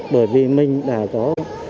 bởi vì mình đã có